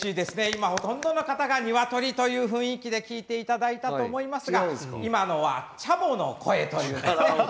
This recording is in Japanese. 今ほとんどの方がにわとりという雰囲気で聞いていただいたと思いますが、今のはチャボの声ということで。